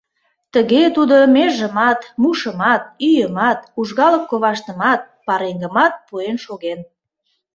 Тыге тудо межымат, мушымат, ӱйымат, ужгалык коваштымат, пареҥгымат пуэн шоген.